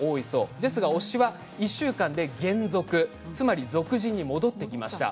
ですが推しは１週間で、げん俗つまり俗人に戻ってきました。